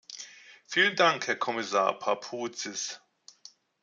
Vielen Dank, Herr Kommissar Papoutsis!